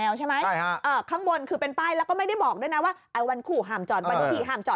เออถูกเห็นเราก็จำได้แล้วร้อนโอ้โห